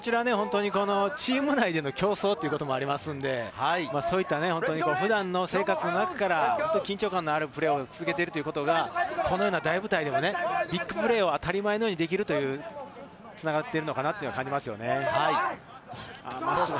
チーム内での競争ということもありますので、普段の生活の中から緊張感のあるプレーを続けていることが、大舞台でビッグプレーを当たり前のようにできることにつながっているのかなと感じます。